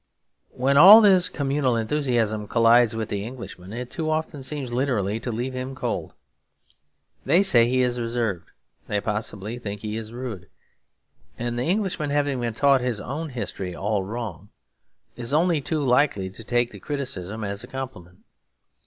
When all this communal enthusiasm collides with the Englishman, it too often seems literally to leave him cold. They say he is reserved; they possibly think he is rude. And the Englishman, having been taught his own history all wrong, is only too likely to take the criticism as a compliment.